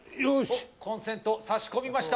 コンセントを挿し込みました。